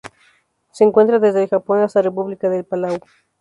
Se encuentra desde el Japón hasta República de Palau.